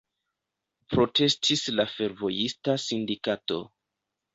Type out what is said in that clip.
Protestis la fervojista sindikato.